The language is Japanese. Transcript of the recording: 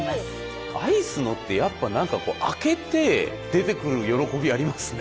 アイスのってやっぱ何か開けて出てくる喜びありますね。